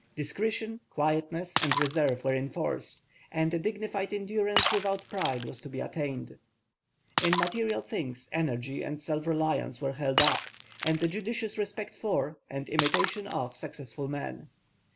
Discretion, quietness, and reserve were enforced, and a dignified endurance without pride was to be attained. In material things energy and self reliance were held up, and a judicious respect for, and imitation of, successful men.